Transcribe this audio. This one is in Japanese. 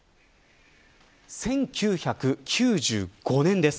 １９９５年です。